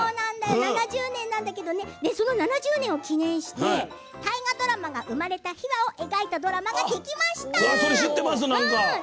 ７０年なんだけどその７０年を記念して大河ドラマが生まれた秘話を描いたドラマができました。